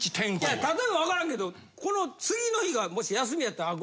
いや例えばわからんけどこの次の日がもし休みやったら。とか。